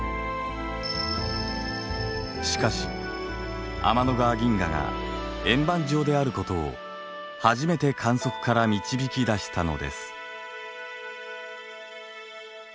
しかし天の川銀河が円盤状であることを初めて観測から導き出したのです。